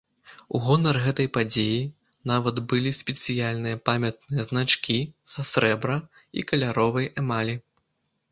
У гонар гэтай падзеі нават былі спецыяльныя памятныя значкі са срэбра і каляровай эмалі.